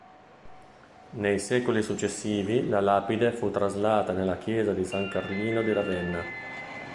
Nei secoli successivi la lapide fu traslata nella chiesa di San Carlino di Ravenna.